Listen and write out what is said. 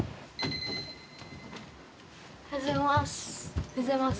おはようございます。